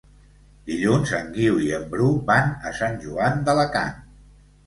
Dilluns en Guiu i en Bru van a Sant Joan d'Alacant.